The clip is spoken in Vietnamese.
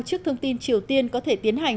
trước thông tin triều tiên có thể tiến hành